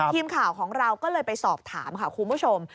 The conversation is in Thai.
ทีมข่าวของเราก็เลยไปสอบถามค่ะคุณผู้ชม